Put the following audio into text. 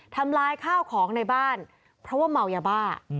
ทำร้ายข้าวของในบ้านเพราะว่าเมายาบ้า